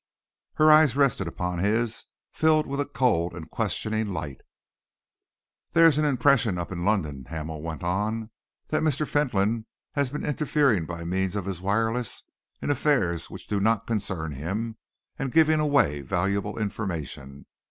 Her eyes rested upon his, filled with a cold and questioning light. "There's an impression up in London," Hamel went on, "that Mr. Fentolin has been interfering by means of his wireless in affairs which don't concern him, and giving away valuable information.